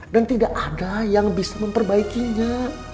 dan tidak ada yang bisa memperbaikinya